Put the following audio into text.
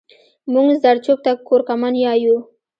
مونږ زرچوب ته کورکمان يايو